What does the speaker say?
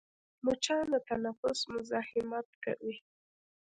مچان د تنفس مزاحمت کوي